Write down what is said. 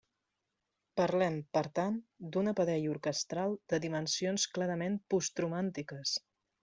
Parlem, per tant, d'un aparell orquestral de dimensions clarament postromàntiques.